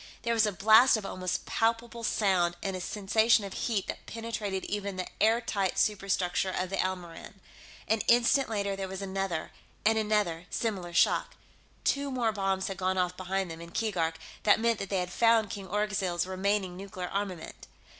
There was a blast of almost palpable sound, and a sensation of heat that penetrated even the airtight superstructure of the Elmoran. An instant later, there was another, and another, similar shock. Two more bombs had gone off behind them, in Keegark; that meant that they had found King Orgzild's remaining nuclear armament.